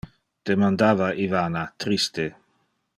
Demandava Ivana, triste.